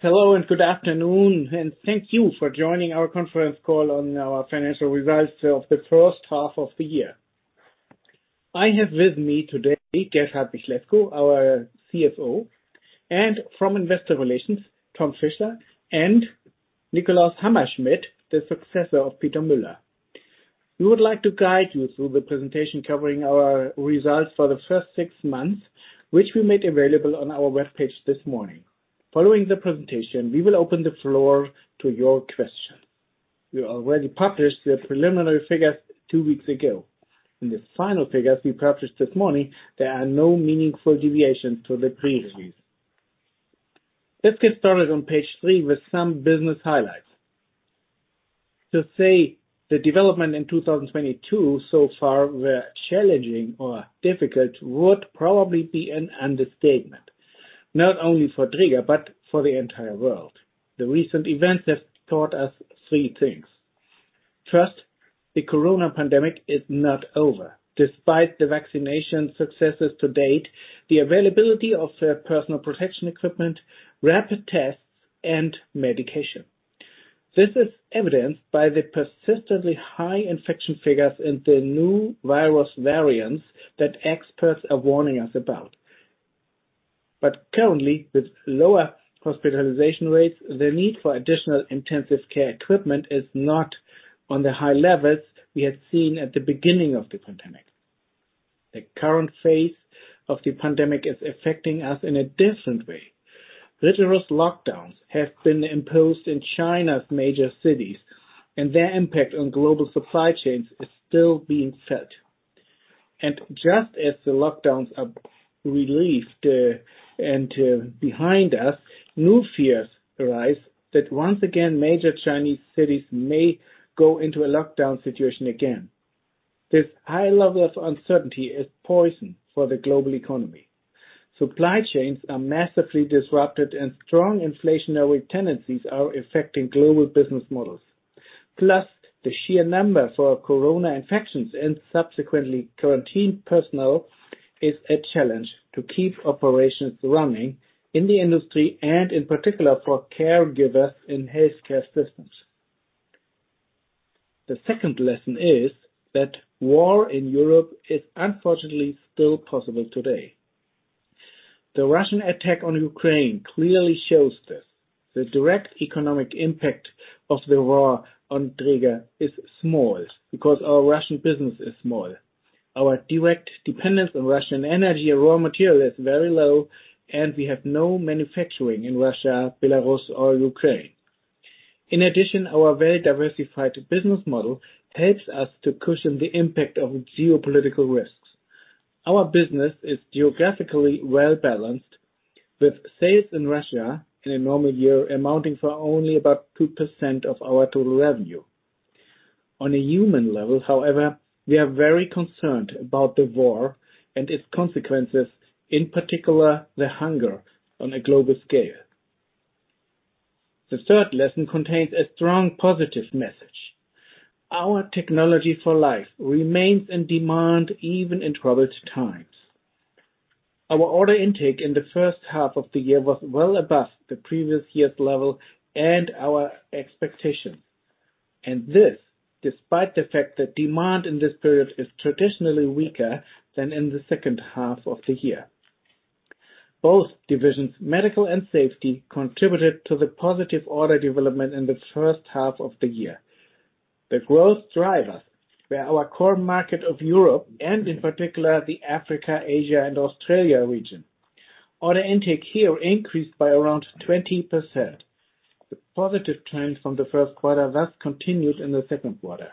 Hello and good afternoon, and thank you for joining our conference call on our financial results of the first half of the year. I have with me today Gert-Hartwig Lescow, our CFO, and from investor relations, Thomas Fischer and Nikolaus Hammerschmidt, the successor of Peter Müller. We would like to guide you through the presentation covering our results for the first six months, which we made available on our webpage this morning. Following the presentation, we will open the floor to your questions. We already published the preliminary figures two weeks ago. In the final figures we published this morning, there are no meaningful deviations to the previews. Let's get started on page three with some business highlights. To say the development in 2022 so far were challenging or difficult would probably be an understatement, not only for Dräger, but for the entire world. The recent events have taught us three things. First, the corona pandemic is not over, despite the vaccination successes to date, the availability of personal protection equipment, rapid tests and medication. This is evidenced by the persistently high infection figures and the new virus variants that experts are warning us about. Currently, with lower hospitalization rates, the need for additional intensive care equipment is not on the high levels we had seen at the beginning of the pandemic. The current phase of the pandemic is affecting us in a different way. Literal lockdowns have been imposed in China's major cities, and their impact on global supply chains is still being felt. Just as the lockdowns are relieved and behind us, new fears arise that once again, major Chinese cities may go into a lockdown situation again. This high level of uncertainty is poison for the global economy. Supply chains are massively disrupted, and strong inflationary tendencies are affecting global business models. Plus, the sheer number of corona infections and subsequently quarantined personnel is a challenge to keep operations running in the industry and in particular for caregivers in healthcare systems. The second lesson is that war in Europe is unfortunately still possible today. The Russian attack on Ukraine clearly shows this. The direct economic impact of the war on Dräger is small because our Russian business is small. Our direct dependence on Russian energy and raw material is very low, and we have no manufacturing in Russia, Belarus or Ukraine. In addition, our very diversified business model helps us to cushion the impact of geopolitical risks. Our business is geographically well-balanced, with sales in Russia in a normal year amounting to only about 2% of our total revenue. On a human level, however, we are very concerned about the war and its consequences, in particular, the hunger on a global scale. The third lesson contains a strong positive message. Our technology for life remains in demand even in troubled times. Our order intake in the first half of the year was well above the previous year's level and our expectations. This, despite the fact that demand in this period is traditionally weaker than in the second half of the year. Both divisions, Medical and Safety, contributed to the positive order development in the first half of the year. The growth drivers were our core market of Europe and in particular, the Africa, Asia and Australia region. Order intake here increased by around 20%. The positive trend from the first quarter thus continued in the second quarter.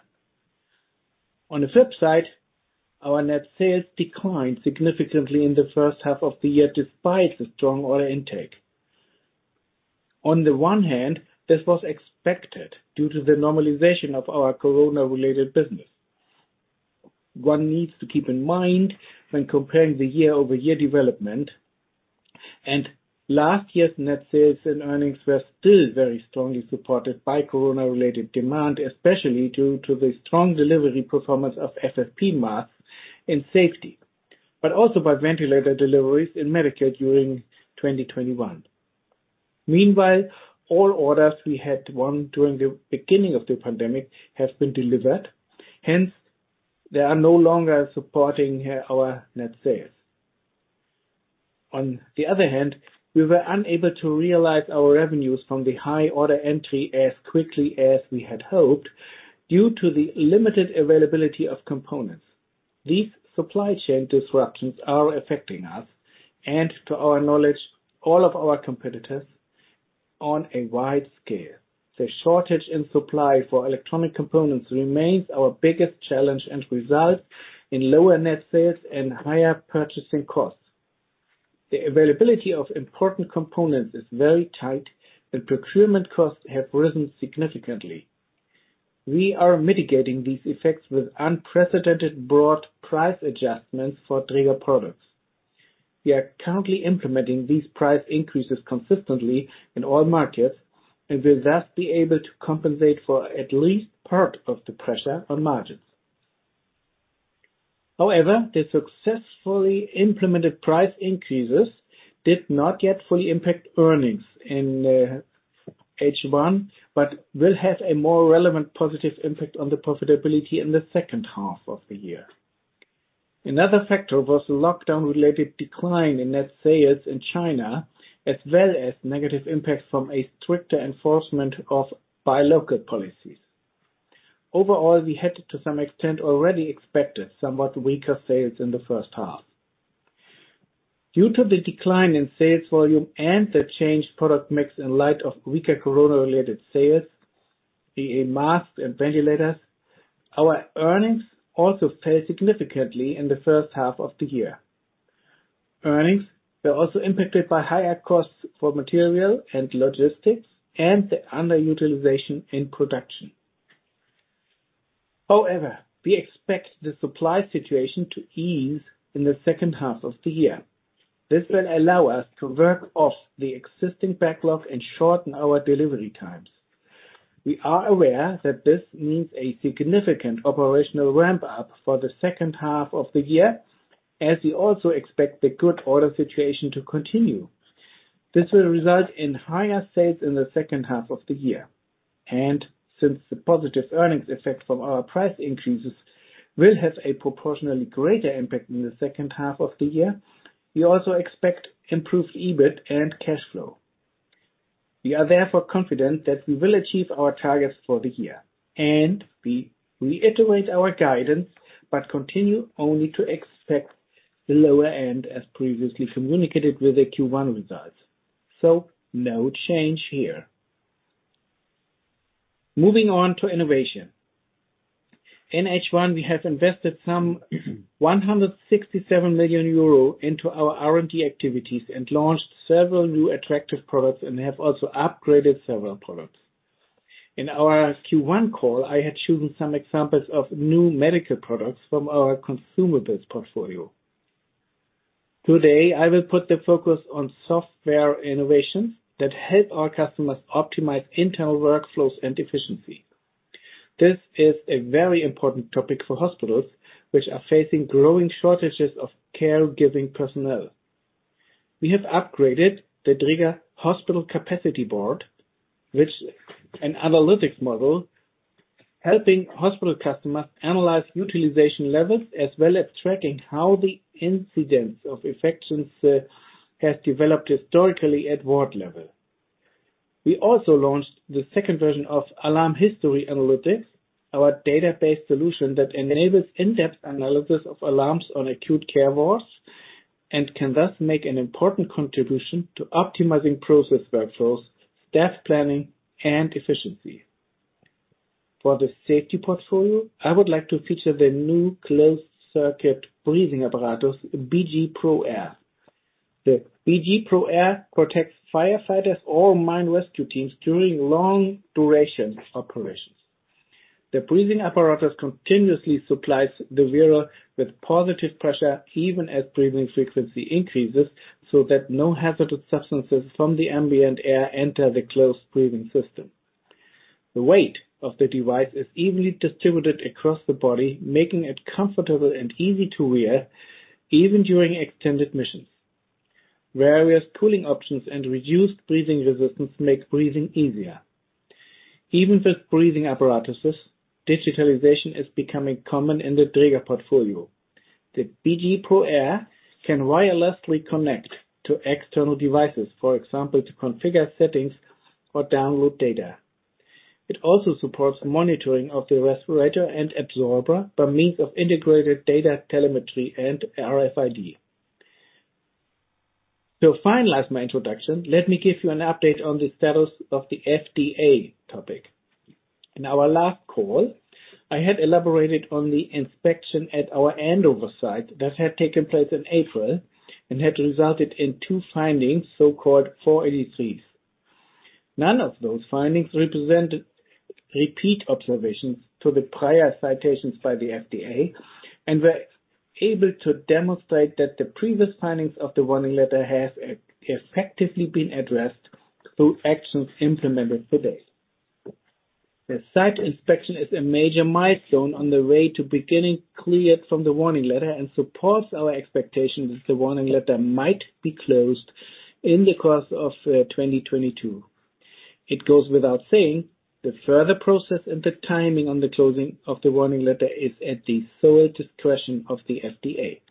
On the flip side, our net sales declined significantly in the first half of the year, despite the strong order intake. On the one hand, this was expected due to the normalization of our corona-related business. One needs to keep in mind when comparing the year-over-year development, and last year's net sales and earnings were still very strongly supported by corona-related demand, especially due to the strong delivery performance of FFP masks and safety, but also by ventilator deliveries in medical during 2021. Meanwhile, all orders we had won during the beginning of the pandemic have been delivered, hence, they are no longer supporting our net sales. On the other hand, we were unable to realize our revenues from the high order entry as quickly as we had hoped due to the limited availability of components. These supply chain disruptions are affecting us and to our knowledge, all of our competitors on a wide scale. The shortage in supply for electronic components remains our biggest challenge and results in lower net sales and higher purchasing costs. The availability of important components is very tight, and procurement costs have risen significantly. We are mitigating these effects with unprecedented broad price adjustments for Dräger products. We are currently implementing these price increases consistently in all markets and will thus be able to compensate for at least part of the pressure on margins. However, the successfully implemented price increases did not yet fully impact earnings in H1, but will have a more relevant positive impact on the profitability in the second half of the year. Another factor was the lockdown-related decline in net sales in China, as well as negative impacts from a stricter enforcement of biologic policies. Overall, we had to some extent already expected somewhat weaker sales in the first half. Due to the decline in sales volume and the changed product mix in light of weaker corona-related sales, be it masks and ventilators, our earnings also fell significantly in the first half of the year. Earnings were also impacted by higher costs for material and logistics and the underutilization in production. However, we expect the supply situation to ease in the second half of the year. This will allow us to work off the existing backlog and shorten our delivery times. We are aware that this means a significant operational ramp up for the second half of the year, as we also expect the good order situation to continue. This will result in higher sales in the second half of the year. Since the positive earnings effect from our price increases will have a proportionally greater impact in the second half of the year, we also expect improved EBIT and cash flow. We are therefore confident that we will achieve our targets for the year, and we reiterate our guidance, but continue only to expect the lower end as previously communicated with the Q1 results. No change here. Moving on to innovation. In H1, we have invested some 167 million euro into our R&D activities and launched several new attractive products and have also upgraded several products. In our Q1 call, I had chosen some examples of new medical products from our consumables portfolio. Today, I will put the focus on software innovations that help our customers optimize internal workflows and efficiency. This is a very important topic for hospitals, which are facing growing shortages of caregiving personnel. We have upgraded the Dräger Hospital Capacity Board, which is an analytics model helping hospital customers analyze utilization levels as well as tracking how the incidence of infections has developed historically at ward level. We also launched the second version of Dräger Alarm History Analytics, our database solution that enables in-depth analysis of alarms on acute care wards, and can thus make an important contribution to optimizing process workflows, staff planning and efficiency. For the safety portfolio, I would like to feature the new closed-circuit breathing apparatus, Dräger BG ProAir. The Dräger BG ProAir protects firefighters or mine rescue teams during long-duration operations. The breathing apparatus continuously supplies the wearer with positive pressure, even as breathing frequency increases, so that no hazardous substances from the ambient air enter the closed breathing system. The weight of the device is evenly distributed across the body, making it comfortable and easy to wear even during extended missions. Various cooling options and reduced breathing resistance make breathing easier. Even with breathing apparatuses, digitalization is becoming common in the Dräger portfolio. The BG Pro Air can wirelessly connect to external devices, for example, to configure settings or download data. It also supports monitoring of the respirator and absorber by means of integrated data telemetry and RFID. To finalize my introduction, let me give you an update on the status of the FDA topic. In our last call, I had elaborated on the inspection at our Andover site that had taken place in April and had resulted in two findings, so-called Form 483s. None of those findings represented repeat observations to the prior citations by the FDA and were able to demonstrate that the previous findings of the warning letter have effectively been addressed through actions implemented to date. The site inspection is a major milestone on the way to being cleared from the warning letter and supports our expectation that the warning letter might be closed in the course of 2022. It goes without saying the further process and the timing on the closing of the warning letter is at the sole discretion of the FDA.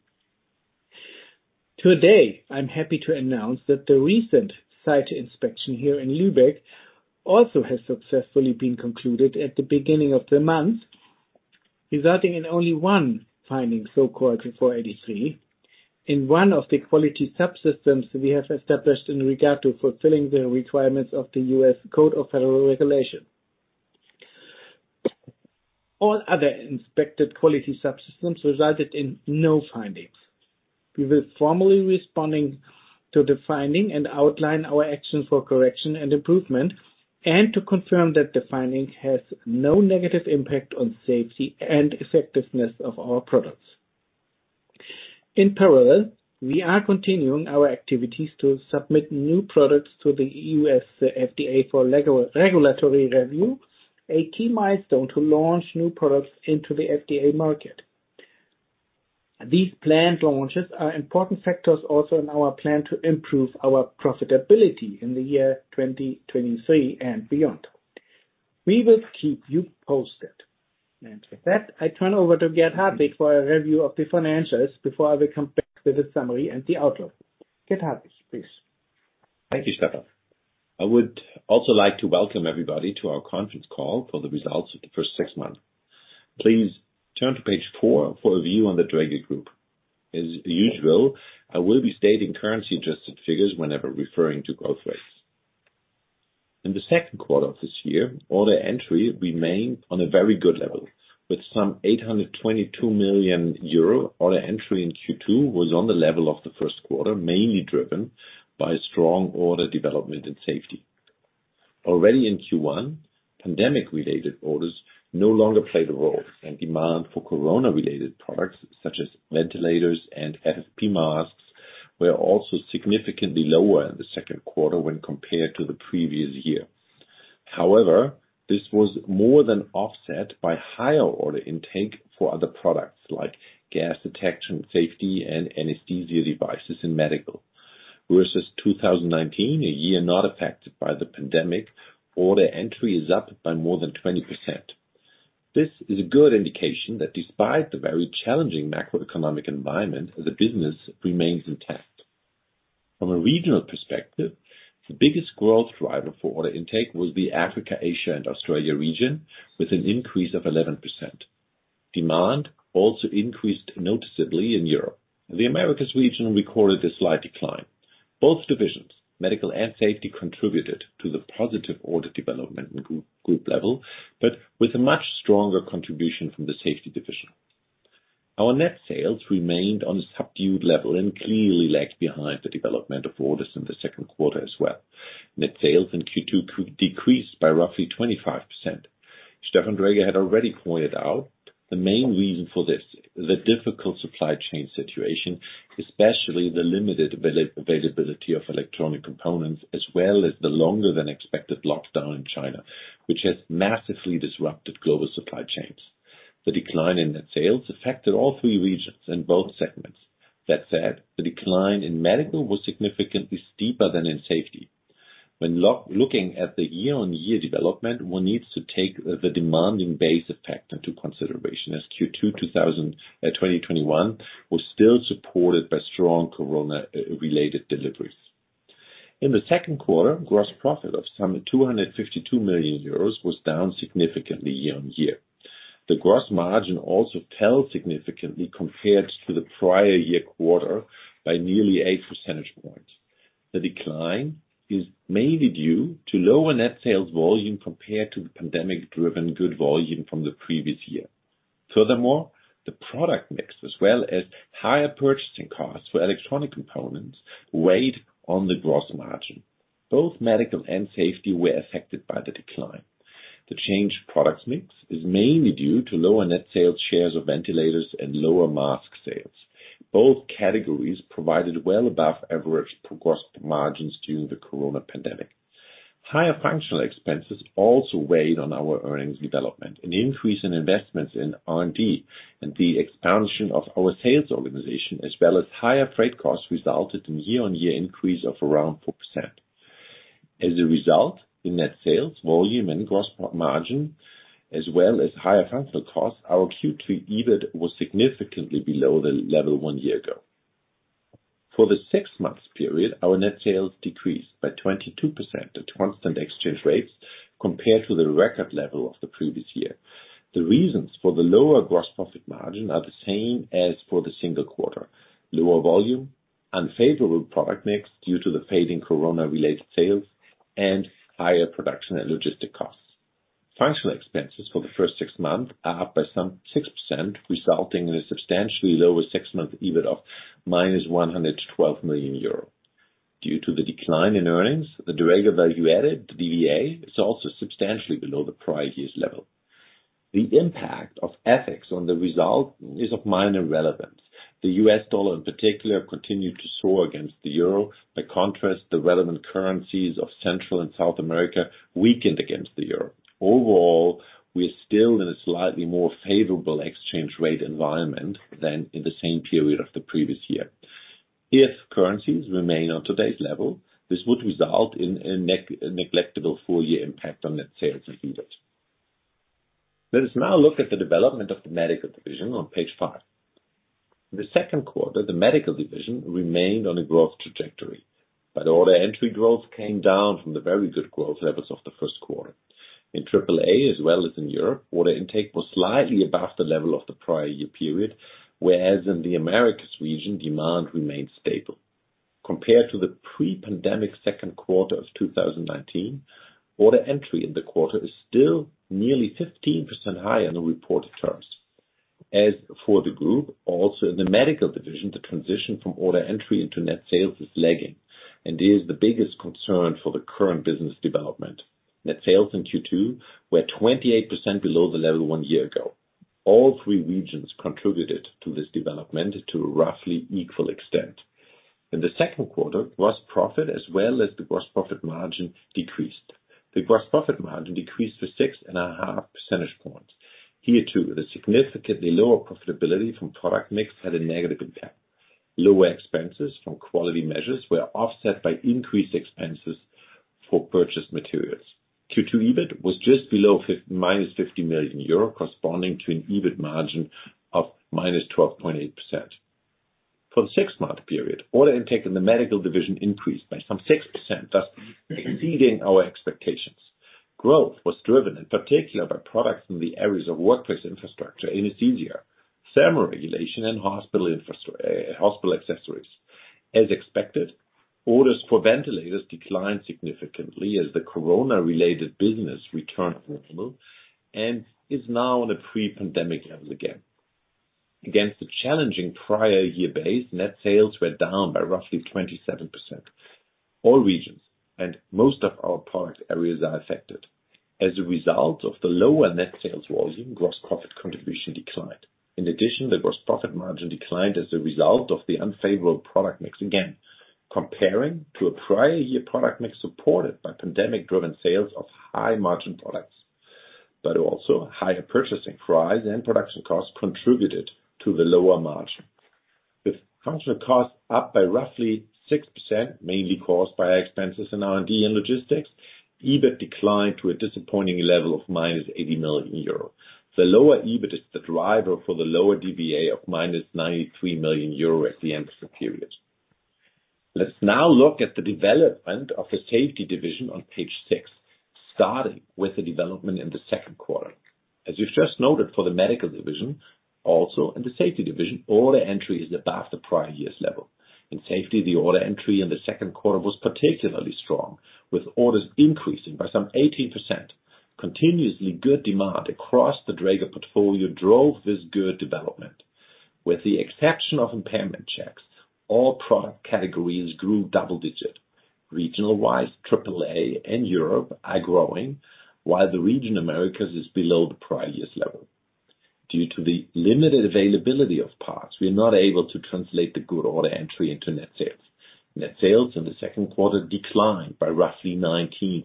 Today, I'm happy to announce that the recent site inspection here in Lübeck also has successfully been concluded at the beginning of the month, resulting in only one finding, so-called Form 483, in one of the quality subsystems we have established in regard to fulfilling the requirements of the U.S. Code of Federal Regulations. All other inspected quality subsystems resulted in no findings. We will formally respond to the finding and outline our actions for correction and improvement and to confirm that the finding has no negative impact on safety and effectiveness of our products. In parallel, we are continuing our activities to submit new products to the U.S. FDA for regulatory review, a key milestone to launch new products into the FDA market. These planned launches are important factors also in our plan to improve our profitability in the year 2023 and beyond. We will keep you posted. With that, I turn over to Gert-Hartwig Lescow for a review of the financials before we come back to the summary and the outlook. Gert-Hartwig, please. Thank you, Stefan. I would also like to welcome everybody to our conference call for the results of the first six months. Please turn to page four for a view on the Dräger group. As usual, I will be stating currency-adjusted figures whenever referring to growth rates. In the second quarter of this year, order entry remained on a very good level, with some 822 million euro. Order entry in Q2 was on the level of the first quarter, mainly driven by strong order development and safety. Already in Q1, pandemic-related orders no longer play the role, and demand for corona-related products, such as ventilators and FFP masks, were also significantly lower in the second quarter when compared to the previous year. However, this was more than offset by higher order intake for other products like gas detection, safety and anesthesia devices in medical. Versus 2019, a year not affected by the pandemic, order entry is up by more than 20%. This is a good indication that despite the very challenging macroeconomic environment, the business remains intact. From a regional perspective, the biggest growth driver for order intake will be Africa, Asia and Australia region, with an increase of 11%. Demand also increased noticeably in Europe. The Americas region recorded a slight decline. Both divisions, medical and safety, contributed to the positive order development in group level, but with a much stronger contribution from the safety division. Our net sales remained on a subdued level and clearly lagged behind the development of orders in the second quarter as well. Net sales in Q2 could decrease by roughly 25%. Stefan Dräger had already pointed out the main reason for this, the difficult supply chain situation, especially the limited availability of electronic components, as well as the longer than expected lockdown in China, which has massively disrupted global supply chains. The decline in net sales affected all three regions in both segments. That said, the decline in medical was significantly steeper than in safety. When looking at the year-on-year development, one needs to take the demanding base effect into consideration, as Q2 2021 was still supported by strong corona related deliveries. In the second quarter, gross profit of some 252 million euros was down significantly year on year. The gross margin also fell significantly compared to the prior year quarter by nearly eight percentage points. The decline is mainly due to lower net sales volume compared to the pandemic-driven good volume from the previous year. Furthermore, the product mix, as well as higher purchasing costs for electronic components, weighed on the gross margin. Both Medical and Safety were affected by the decline. The changed product mix is mainly due to lower net sales shares of ventilators and lower mask sales. Both categories provided well above average gross margins during the Corona pandemic. Higher functional expenses also weighed on our earnings development. An increase in investments in R&D and the expansion of our sales organization, as well as higher freight costs, resulted in year-on-year increase of around 4%. As a result, in net sales volume and gross profit margin, as well as higher functional costs, our Q3 EBIT was significantly below the level one year ago. For the six months period, our net sales decreased by 22% at constant exchange rates compared to the record level of the previous year. The reasons for the lower gross profit margin are the same as for the single quarter. Lower volume, unfavorable product mix due to the fading corona related sales, and higher production and logistic costs. Functional expenses for the first six months are up by some 6%, resulting in a substantially lower six-month EBIT of -112 million euro. Due to the decline in earnings, the Dräger Value Added, the DVA, is also substantially below the prior year's level. The impact of FX on the result is of minor relevance. The U.S. dollar in particular continued to soar against the euro. By contrast, the relevant currencies of Central and South America weakened against the euro. Overall, we're still in a slightly more favorable exchange rate environment than in the same period of the previous year. If currencies remain on today's level, this would result in a negligible full year impact on net sales and EBIT. Let us now look at the development of the medical division on page five. In the second quarter, the medical division remained on a growth trajectory, but order entry growth came down from the very good growth levels of the first quarter. In triple A as well as in Europe, order intake was slightly above the level of the prior year period, whereas in the Americas region, demand remained stable. Compared to the pre-pandemic second quarter of 2019, order entry in the quarter is still nearly 15% higher on the reported terms. As for the group, also in the medical division, the transition from order entry into net sales is lagging. It is the biggest concern for the current business development. Net sales in Q2 were 28% below the level one year ago. All three regions contributed to this development to a roughly equal extent. In the second quarter, gross profit, as well as the gross profit margin, decreased. The gross profit margin decreased by 6.5 percentage points. Here, too, the significantly lower profitability from product mix had a negative impact. Lower expenses from quality measures were offset by increased expenses for purchased materials. Q2 EBIT was just below -50 million euro, corresponding to an EBIT margin of -12.8%. For the six-month period, order intake in the medical division increased by some 6%, thus exceeding our expectations. Growth was driven in particular by products in the areas of Workplace Infrastructure, anesthesia, thermoregulation, and hospital accessories. As expected, orders for ventilators declined significantly as the corona-related business returned to normal and is now on the pre-pandemic levels again. Against the challenging prior year base, net sales were down by roughly 27%. All regions and most of our product areas are affected. As a result of the lower net sales volume, gross profit contribution declined. In addition, the gross profit margin declined as a result of the unfavorable product mix again, comparing to a prior year product mix supported by pandemic-driven sales of high margin products. Also higher purchasing price and production costs contributed to the lower margin. With functional costs up by roughly 6%, mainly caused by expenses in R&D and logistics, EBIT declined to a disappointing level of -80 million euro. The lower EBIT is the driver for the lower DVA of -93 million euro at the end of the period. Let's now look at the development of the safety division on page six, starting with the development in the second quarter. As you've just noted, for the medical division, also in the safety division, order entry is above the prior year's level. In safety, the order entry in the second quarter was particularly strong, with orders increasing by some 18%. Continuously good demand across the Dräger portfolio drove this good development. With the exception of impairment checks, all product categories grew double-digit. Regional-wise, AAA and Europe are growing, while the region Americas is below the prior year's level. Due to the limited availability of parts, we are not able to translate the good order entry into net sales. Net sales in the second quarter declined by roughly 19%.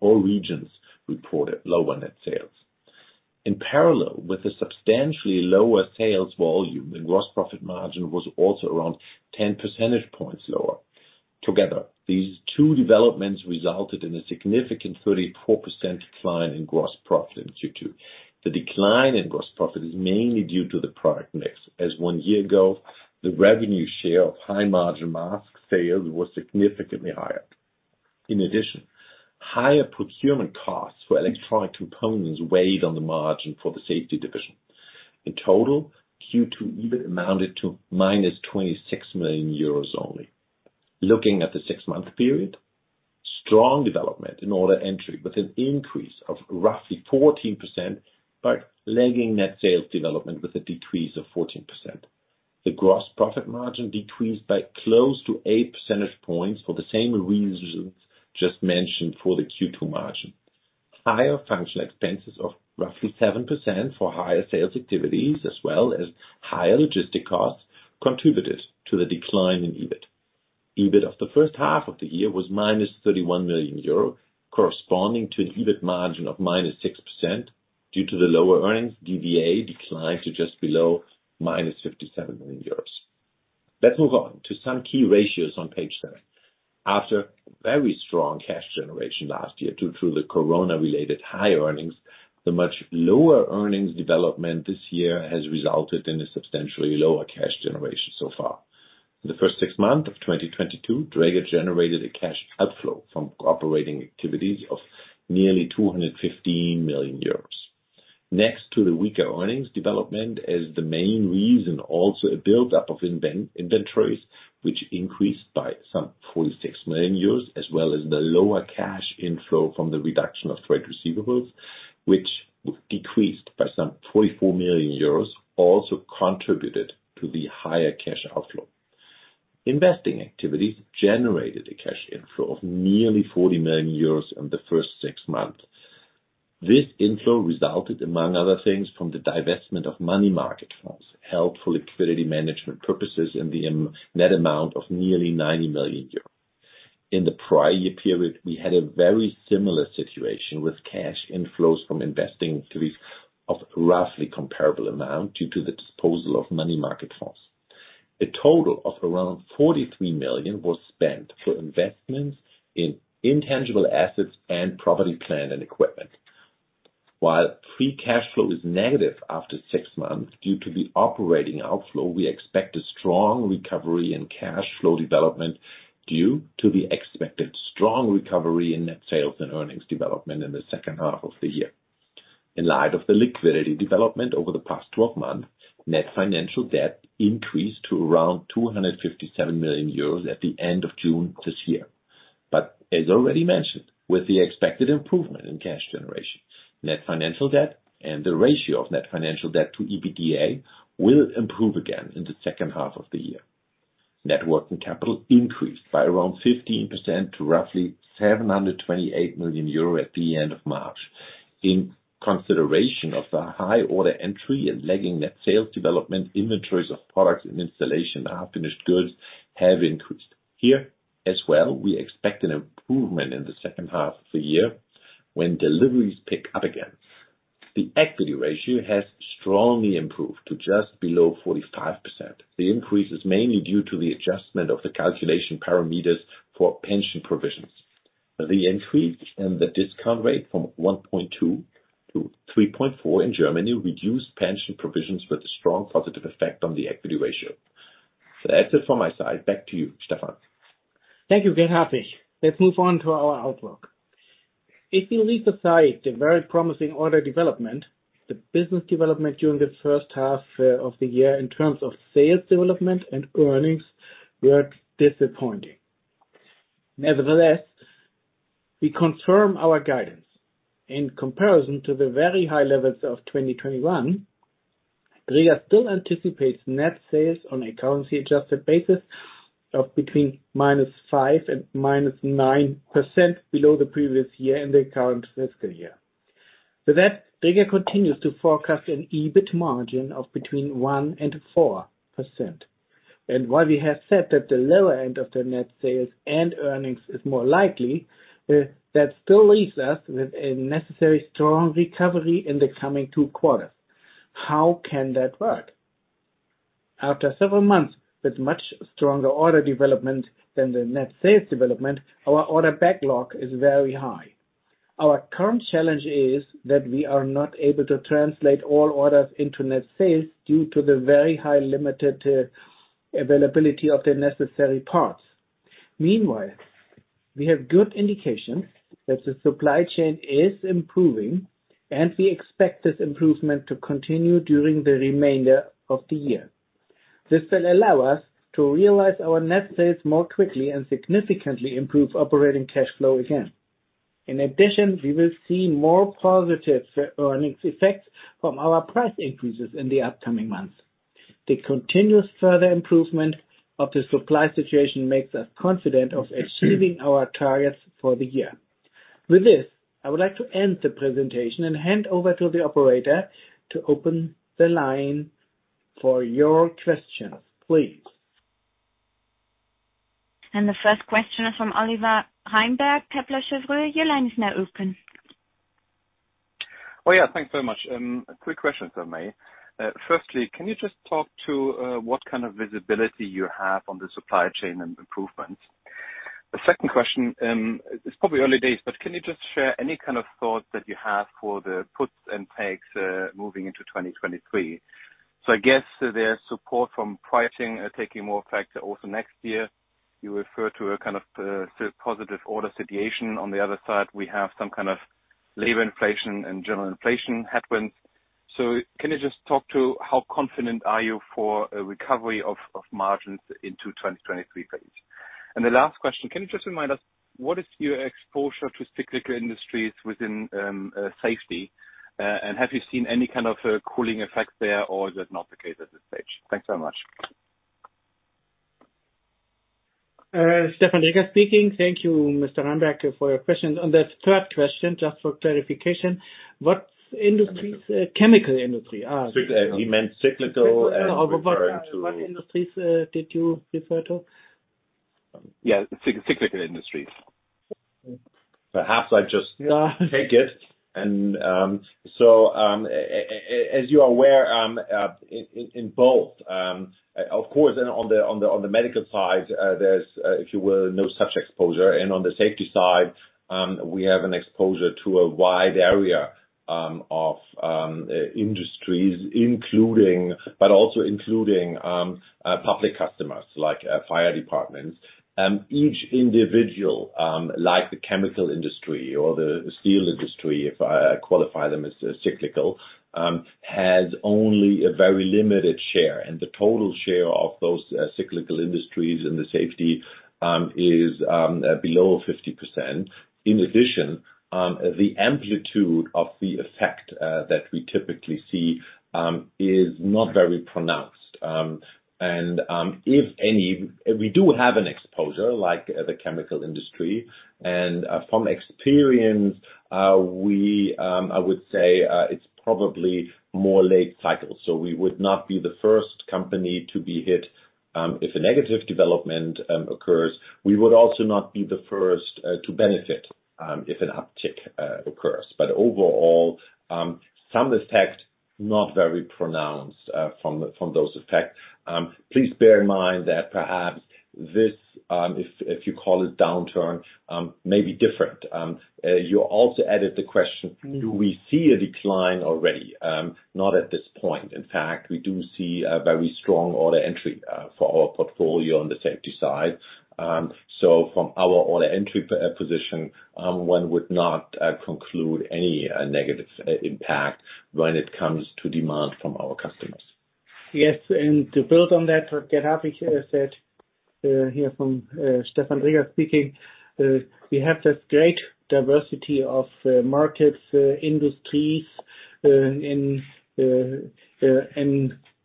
All regions reported lower net sales. In parallel with the substantially lower sales volume, the gross profit margin was also around 10 percentage points lower. Together, these two developments resulted in a significant 34% decline in gross profit in Q2. The decline in gross profit is mainly due to the product mix, as one year ago, the revenue share of high margin mask sales was significantly higher. In addition, higher procurement costs for electronic components weighed on the margin for the safety division. In total, Q2 EBIT amounted to -26 million euros only. Looking at the six-month period, strong development in order entry with an increase of roughly 14%, but lagging net sales development with a decrease of 14%. The gross profit margin decreased by close to eight percentage points for the same reasons just mentioned for the Q2 margin. Higher functional expenses of roughly 7% for higher sales activities as well as higher logistic costs contributed to the decline in EBIT. EBIT of the first half of the year was -31 million euro, corresponding to an EBIT margin of -6%. Due to the lower earnings, DVA declined to just below -57 million euros. Let's move on to some key ratios on page seven. After very strong cash generation last year due to the corona-related high earnings, the much lower earnings development this year has resulted in a substantially lower cash generation so far. In the first six months of 2022, Dräger generated a cash outflow from operating activities of nearly 215 million euros. Next to the weaker earnings development as the main reason, also a buildup of inventories, which increased by some 46 million euros, as well as the lower cash inflow from the reduction of trade receivables, which decreased by some 44 million euros, also contributed to the higher cash outflow. Investing activities generated a cash inflow of nearly 40 million euros in the first six months. This inflow resulted, among other things, from the divestment of money market funds for liquidity management purposes in the net amount of nearly 90 million euros. In the prior year period, we had a very similar situation with cash inflows from investing to be of roughly comparable amount due to the disposal of money market funds. A total of around 43 million was spent for investments in intangible assets and property, plant, and equipment. While free cash flow is negative after six months due to the operating outflow, we expect a strong recovery in cash flow development due to the expected strong recovery in net sales and earnings development in the second half of the year. In light of the liquidity development over the past 12 months, net financial debt increased to around 257 million euros at the end of June this year. As already mentioned, with the expected improvement in cash generation, net financial debt and the ratio of net financial debt to EBITDA will improve again in the second half of the year. Net working capital increased by around 15% to roughly 728 million euro at the end of March. In consideration of the high order entry and lagging net sales development, inventories of products and installation of half-finished goods have increased. Here as well, we expect an improvement in the second half of the year when deliveries pick up again. The equity ratio has strongly improved to just below 45%. The increase is mainly due to the adjustment of the calculation parameters for pension provisions. The increase in the discount rate from 1.2-3.4 in Germany reduced pension provisions with a strong positive effect on the equity ratio. That's it for my side. Back to you, Stefan. Thank you, Gert-Hartwig. Let's move on to our outlook. If you leave aside the very promising order development, the business development during the first half of the year in terms of sales development and earnings were disappointing. Nevertheless, we confirm our guidance. In comparison to the very high levels of 2021, Dräger still anticipates net sales on a currency adjusted basis of between -5% and -9% below the previous year in the current fiscal year. To that, Dräger continues to forecast an EBIT margin of between 1% and 4%. While we have said that the lower end of the net sales and earnings is more likely, that still leaves us with a necessary strong recovery in the coming two quarters. How can that work? After several months with much stronger order development than the net sales development, our order backlog is very high. Our current challenge is that we are not able to translate all orders into net sales due to the very highly limited availability of the necessary parts. Meanwhile, we have good indications that the supply chain is improving, and we expect this improvement to continue during the remainder of the year. This will allow us to realize our net sales more quickly and significantly improve operating cash flow again. In addition, we will see more positive earnings effects from our price increases in the upcoming months. The continuous further improvement of the supply situation makes us confident of achieving our targets for the year. With this, I would like to end the presentation and hand over to the operator to open the line for your questions, please. The first question is from Oliver Reinberg, Kepler Cheuvreux. Your line is now open. Oh, yeah, thanks so much. A quick question for me. Firstly, can you just talk to what kind of visibility you have on the supply chain and improvements? The second question, it's probably early days, but can you just share any kind of thoughts that you have for the puts and takes moving into 2023? I guess there's support from pricing taking more effect also next year. You refer to a kind of such a positive order situation. On the other side, we have some kind of labor inflation and general inflation headwinds. Can you just talk to how confident are you for a recovery of margins into 2023, please? The last question, can you just remind us what is your exposure to cyclical industries within safety? Have you seen any kind of cooling effect there, or is that not the case at this stage? Thanks so much. Stefan Dräger speaking. Thank you, Mr. Reinberg, for your questions. On the third question, just for clarification, what industries, chemical industry are- He meant cyclical, referring to. What industries did you refer to? Yeah, cyclical industries. Perhaps I just take it. So, as you are aware, in both, of course, and on the medical side, there's, if you will, no such exposure. On the safety side, we have an exposure to a wide area of industries, including public customers like fire departments. Each individual, like the chemical industry or the steel industry, if I qualify them as cyclical, has only a very limited share. The total share of those cyclical industries in the safety is below 50%. In addition, the amplitude of the effect that we typically see is not very pronounced. We do have an exposure like the chemical industry. From experience, we, I would say, it's probably more late cycle. We would not be the first company to be hit, if a negative development occurs. We would also not be the first to benefit, if an uptick occurs. Overall, some of this effect not very pronounced, from those effect. Please bear in mind that perhaps this, if you call it downturn, may be different. You also added the question, do we see a decline already? Not at this point. In fact, we do see a very strong order entry for our portfolio on the safety side. From our order entry position, one would not conclude any negative impact when it comes to demand from our customers. Yes, to build on that, what Gert-Hartwig Lescow said, Stefan Dräger speaking. We have this great diversity of markets, industries, in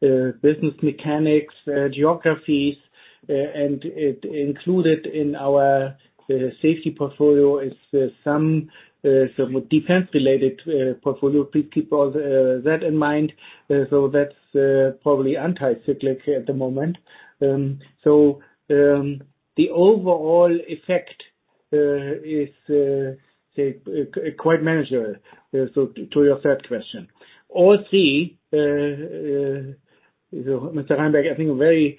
business segments, geographies, and included in our safety portfolio is some defense-related portfolio. Please keep all that in mind. That's probably anti-cyclical at the moment. The overall effect is, say, quite manageable, so to your third question. All three, Mr. Reinberg, I think are very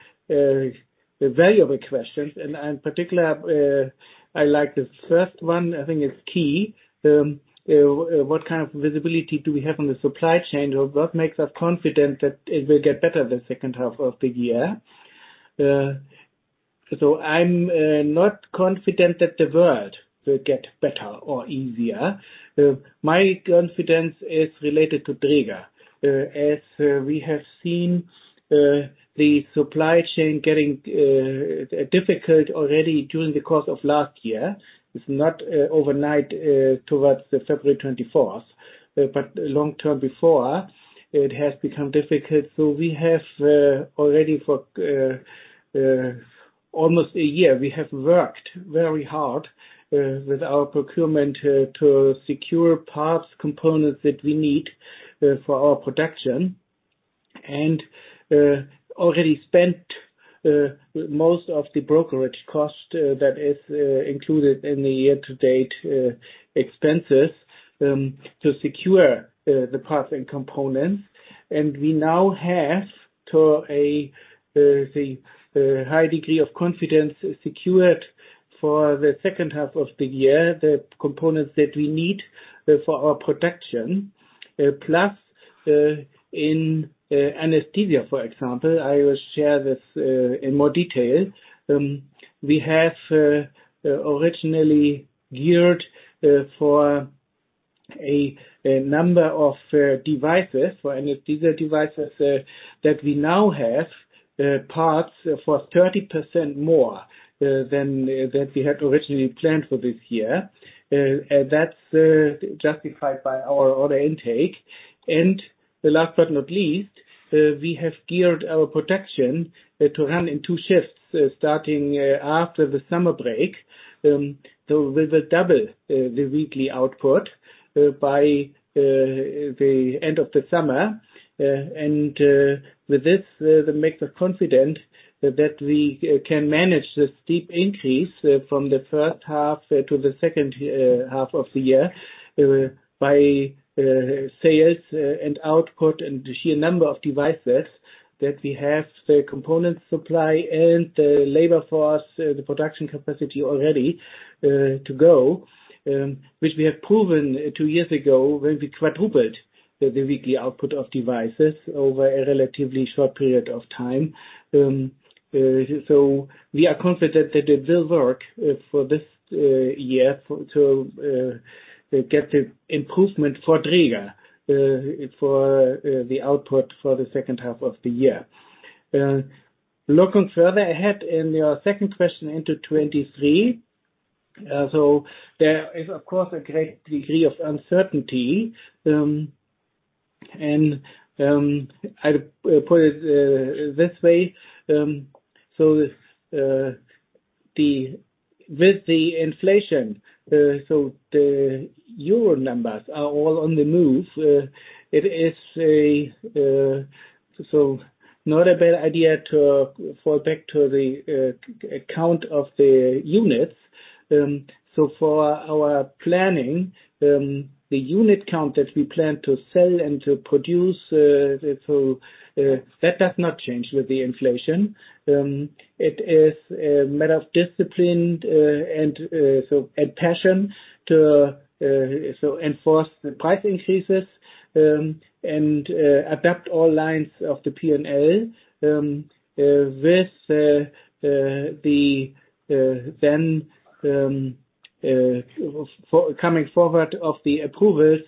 valuable questions and, in particular, I like the first one, I think is key. What kind of visibility do we have on the supply chain, or what makes us confident that it will get better the second half of the year? I'm not confident that the world will get better or easier. My confidence is related to Dräger. As we have seen, the supply chain getting difficult already during the course of last year. It's not overnight towards the February twenty-fourth, but long-term before it has become difficult. We have already for almost a year worked very hard with our procurement to secure parts, components that we need for our production, and already spent most of the brokerage cost that is included in the year to date expenses to secure the parts and components. We now have a high degree of confidence secured for the second half of the year the components that we need for our production. Plus, in anesthesia, for example, I will share this in more detail. We have originally geared for a number of devices for anesthesia devices that we now have parts for 30% more than that we had originally planned for this year. That's justified by our order intake. Last but not least, we have geared our production to run in two shifts starting after the summer break, so we will double the weekly output by the end of the summer. With this, that makes us confident that we can manage the steep increase from the first half to the second half of the year by sales and output and the sheer number of devices that we have, the component supply and the labor force, the production capacity already to go. Which we have proven two years ago when we quadrupled the weekly output of devices over a relatively short period of time. We are confident that it will work for this year to get the improvement for Dräger for the output for the second half of the year. Looking further ahead in your second question into 2023, there is of course a great degree of uncertainty. I'd put it this way. With the inflation, the euro numbers are all on the move. It is not a bad idea to fall back to the count of the units. For our planning, the unit count that we plan to sell and to produce, that does not change with the inflation. It is a matter of discipline and passion to enforce the price increases and adapt all lines of the P&L. With the coming forward of the approvals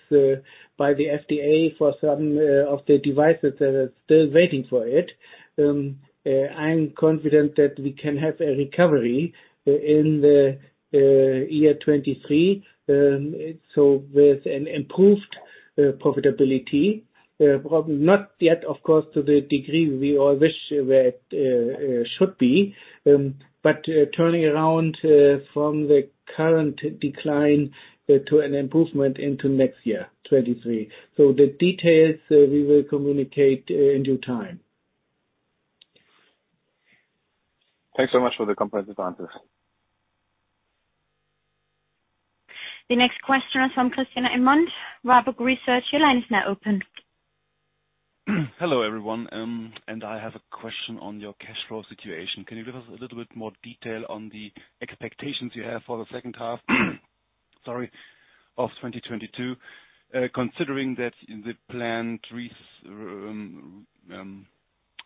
by the FDA for some of the devices that are still waiting for it, I'm confident that we can have a recovery in the year 2023. With an improved profitability, probably not yet, of course, to the degree we all wish where it should be, but turning around from the current decline to an improvement into next year, 2023. The details we will communicate in due time. Thanks so much for the comprehensive answers. The next question is from Christina Rzepka, Redburn Research. Your line is now open. Hello, everyone. I have a question on your cash flow situation. Can you give us a little bit more detail on the expectations you have for the second half, sorry, of 2022? Considering that the planned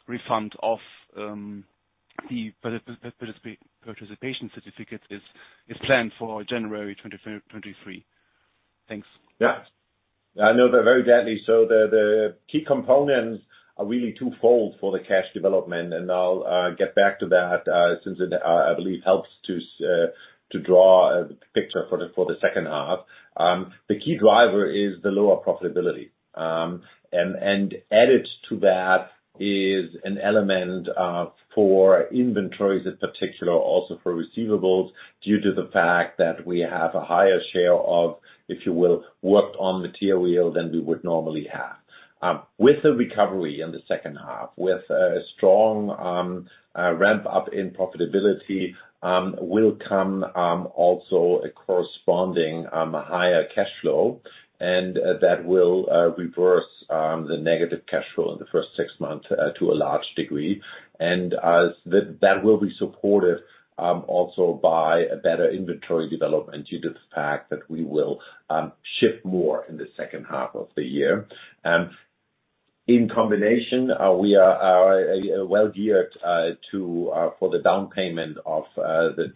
refund of the participation certificate is planned for January 2023. Thanks. Yeah. I know they're very deadly. The key components are really twofold for the cash development, and I'll get back to that since it I believe helps to draw a picture for the second half. The key driver is the lower profitability. Added to that is an element for inventories in particular, also for receivables, due to the fact that we have a higher share of, if you will, work on the tier wheel than we would normally have. With the recovery in the second half, with a strong ramp up in profitability, will come also a corresponding higher cash flow, and that will reverse the negative cash flow in the first six months to a large degree. That will be supported also by a better inventory development due to the fact that we will ship more in the second half of the year. In combination, we are well-geared to for the down payment of roughly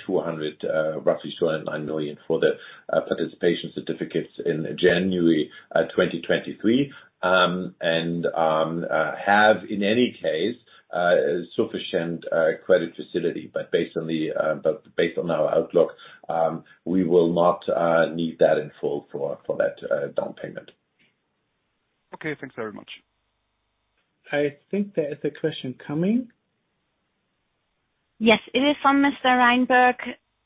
209 million for the participation certificates in January 2023. Have in any case sufficient credit facility. But based on our outlook, we will not need that in full for that down payment. Okay, thanks very much. I think there is a question coming. Yes, it is from Mr. Reinberg.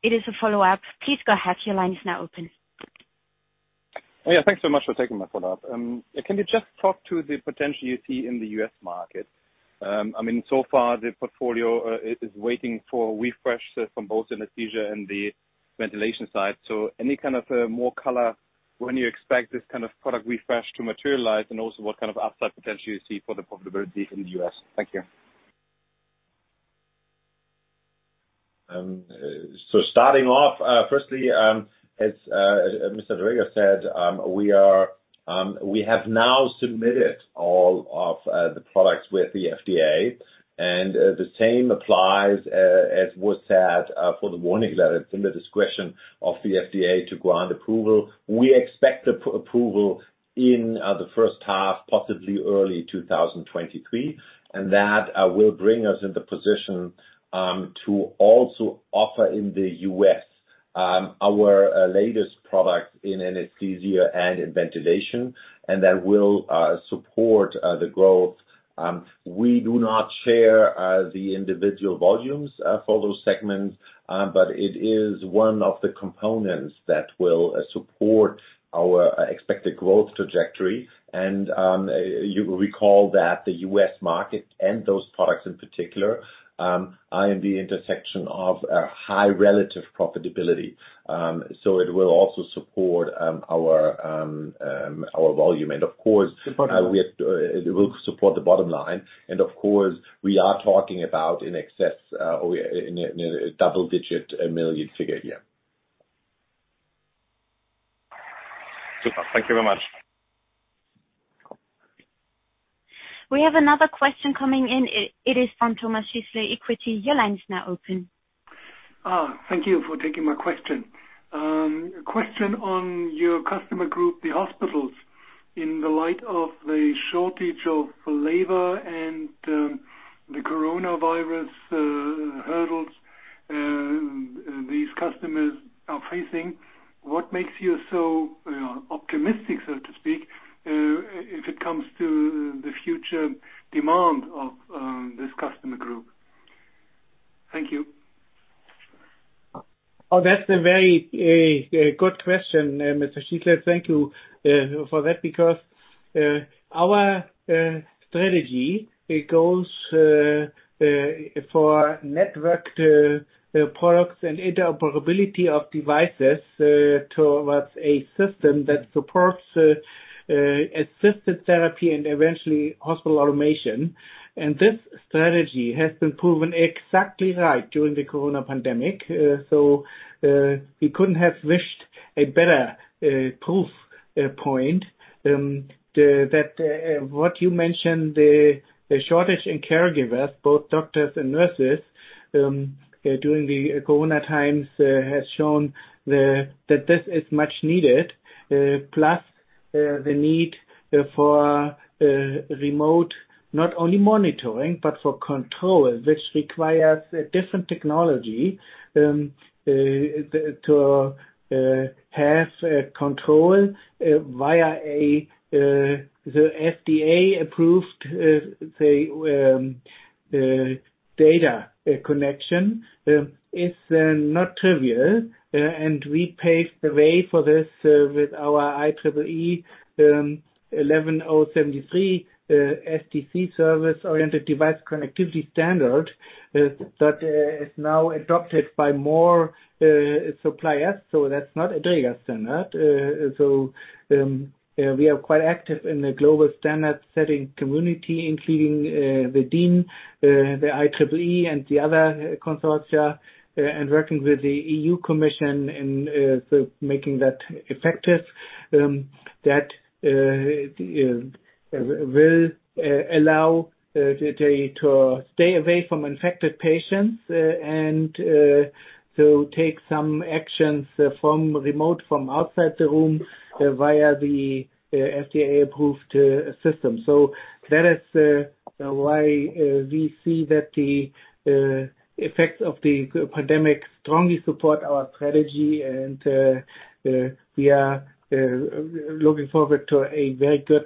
It is a follow-up. Please go ahead. Your line is now open. Yeah. Thanks so much for taking my follow-up. Can you just talk to the potential you see in the U.S. market? I mean, so far the portfolio is waiting for a refresh from both anesthesia and the ventilation side. Any kind of more color when you expect this kind of product refresh to materialize and also what kind of upside potential you see for the profitability in the U.S.? Thank you. Starting off, firstly, as Mr. Dräger said, we have now submitted all of the products with the FDA, and the same applies, as was said, for the warning letter. It's in the discretion of the FDA to grant approval. We expect the approval in the first half, possibly early 2023, and that will bring us in the position to also offer in the US our latest product in anesthesia and in ventilation, and that will support the growth. We do not share the individual volumes for those segments, but it is one of the components that will support our expected growth trajectory. You will recall that the U.S. market and those products in particular are in the intersection of a high relative profitability. So it will also support our volume. Of course. The bottom line. It will support the bottom line. Of course, we are talking about in excess of a double-digit million figure. Super. Thank you very much. We have another question coming in. It is from Thomas Fischer, Equity. Your line is now open. Thank you for taking my question. A question on your customer group, the hospitals. In the light of the shortage of labor and the coronavirus hurdles these customers are facing, what makes you so optimistic, so to speak, if it comes to the future demand of this customer group? Thank you. Oh, that's a very good question, Mr. Fischer. Thank you for that, because our strategy, it goes for networked products and interoperability of devices towards a system that supports assisted therapy and eventually hospital automation. This strategy has been proven exactly right during the corona pandemic. We couldn't have wished a better proof point that what you mentioned, the shortage in caregivers, both doctors and nurses, during the corona times, has shown that this is much needed. Plus, the need for remote, not only monitoring, but for control, which requires a different technology to have control via the FDA-approved data connection, is not trivial. We paved the way for this with our IEEE 11073 SDC service-oriented device connectivity standard that is now adopted by more suppliers, so that's not a Dräger standard. We are quite active in the global standard-setting community, including the DIN, the IEEE, and the other consortia, and working with the European Commission in making that effective. That will allow the data to stay away from infected patients, and to take some actions remotely from outside the room via the FDA-approved system. That is why we see that the effects of the pandemic strongly support our strategy and we are looking forward to a very good,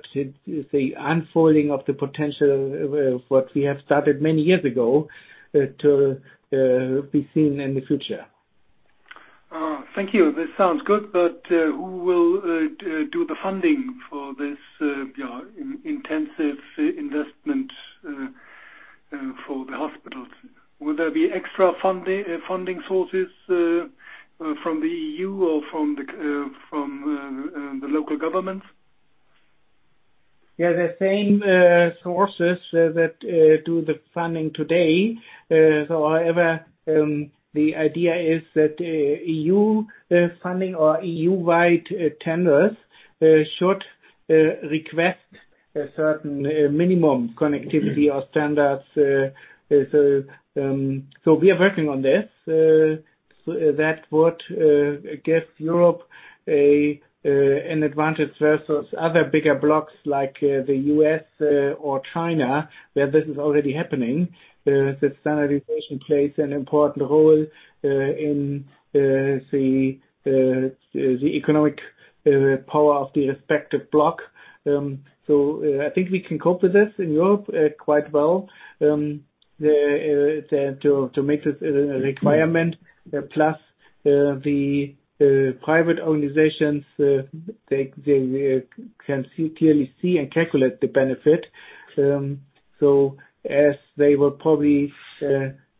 say, unfolding of the potential of what we have started many years ago to be seen in the future. Thank you. This sounds good, but who will do the funding for this intensive investment for the hospital? Will there be extra funding sources from the EU or from the local government? Yeah, the same sources that do the funding today. However, the idea is that EU funding or EU-wide tenders should request a certain minimum connectivity or standards. We are working on this. That would give Europe an advantage versus other bigger blocks like the U.S. or China, where this is already happening. The standardization plays an important role in the economic power of the respective block. I think we can cope with this in Europe quite well to make this a requirement. Plus the private organizations, they can clearly see and calculate the benefit. As they will probably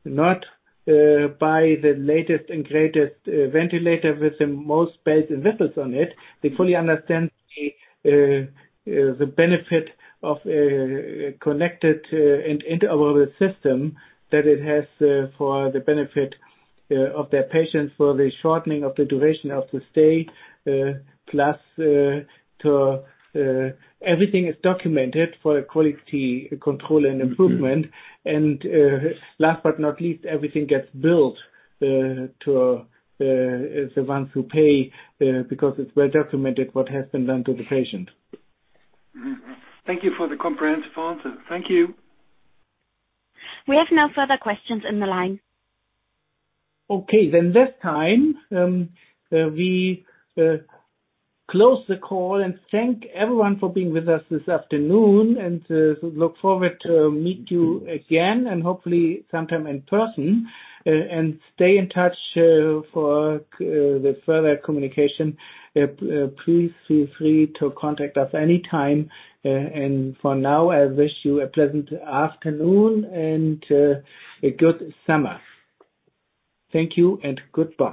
not buy the latest and greatest ventilator with the most bells and whistles on it, they fully understand the benefit of a connected and interoperable system that it has for the benefit of their patients, for the shortening of the duration of the stay. Plus, too, everything is documented for quality control and improvement. Last but not least, everything gets billed to the ones who pay, because it's well documented what has been done to the patient. Thank you for the comprehensive answer. Thank you. We have no further questions in the line. Okay. This time, we close the call and thank everyone for being with us this afternoon and look forward to meet you again and hopefully sometime in person. Stay in touch for the further communication. Please feel free to contact us any time. For now, I wish you a pleasant afternoon and a good summer. Thank you and goodbye.